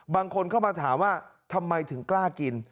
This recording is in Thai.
บางคนเข้ามาถามว่าทำไมถึงกล้ากิน